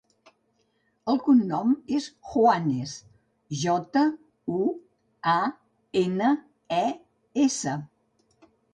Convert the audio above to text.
El cognom és Juanes: jota, u, a, ena, e, essa.